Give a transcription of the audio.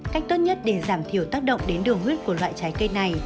cách tốt nhất để giảm thiểu tác động đến đường huyết của loại trái cây này